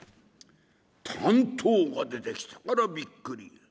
短刀が出てきたからびっくり。